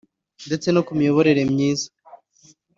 ndetse no ku miyoborere myiza